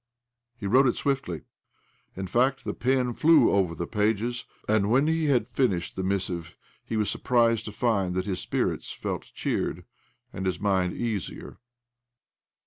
He wrote it swiftly. In fact, the pen flew over the pages. And when he had finished the missive he was surprised to find that his spirits felt cheered, and his mind easier.